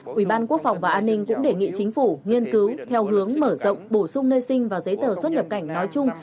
quỹ ban quốc phòng và an ninh cũng đề nghị chính phủ nghiên cứu theo hướng mở rộng bổ sung nơi sinh và giấy tờ xuất nhập cảnh nói chung